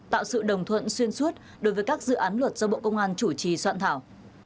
tạo sự đồng thuận xuyên suốt đối với các dự án luật do bộ công an chủ trì soạn thảo